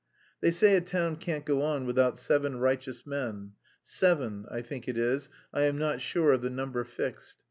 "They say a town can't go on without seven righteous men... seven, I think it is, I am not sure of the number fixed....